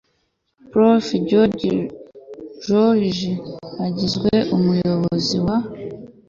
Prof George NJOROGE agizwe Umuyobozi wa